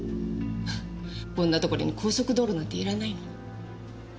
こんなところに高速道路なんていらないのに。